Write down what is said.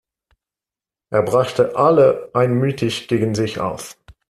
Er brachte alle einmütig gegen sich auf.